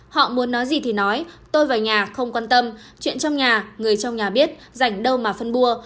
họ muốn nói gì thì nói tôi vào nhà không quan tâm chuyện trong nhà người trong nhà biết rảnh đâu mà phân bua